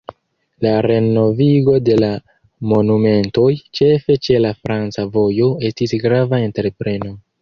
La renovigo de la monumentoj, ĉefe ĉe la franca vojo, estis grava entrepreno.